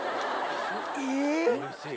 え！